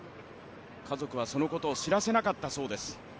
家族はそのことを知らせなかったそうです。